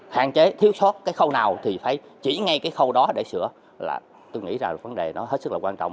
hạn chế thiếu sót cái khâu nào thì phải chỉ ngay cái khâu đó để sửa là tôi nghĩ là vấn đề nó hết sức là quan trọng